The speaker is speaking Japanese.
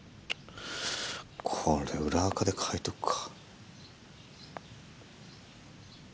これ裏垢で書いとくか。